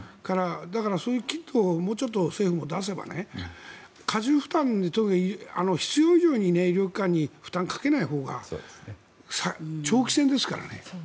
だからそういうキットをもうちょっと政府も出せば過重負担、特に必要以上に医療機関に負担をかけないほうが長期戦ですからね。